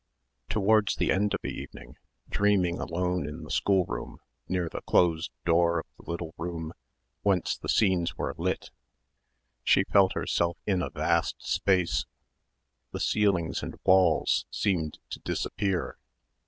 Towards the end of the evening, dreaming alone in the schoolroom near the closed door of the little room whence the scenes were lit, she felt herself in a vast space. The ceilings and walls seemed to disappear.